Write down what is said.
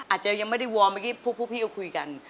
อาจจะยังไม่ได้วอร์มเมื่อกี้พวกพี่ก็คุยกัน